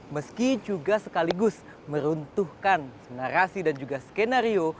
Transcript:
meski juga sekaligus meruntuhkan narasi dan juga skenario